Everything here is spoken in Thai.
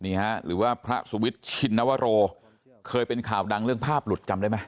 หรือว่าพระสุวิทย์ชินนวโรเคยเป็นข่าวดังเรื่องภาพหลุดจำได้ไหม